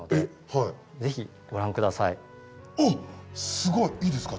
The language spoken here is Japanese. すごい！いいですか？